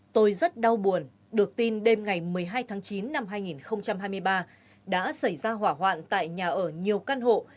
tôi rất đau buồn được tin đêm ngày một mươi hai tháng chín năm hai nghìn hai mươi ba đã xảy ra hỏa hoạn tại nhà ở nhiều căn hộ